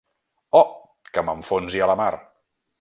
Oh, que m'enfonsi a la mar!